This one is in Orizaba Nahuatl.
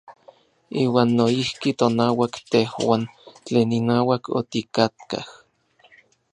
Iuan noijki tonauak tejuan tlen inauak otikatkaj.